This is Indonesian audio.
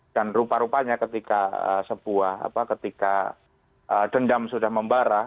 dan rupa rupanya ketika sebuah ketika dendam sudah membarah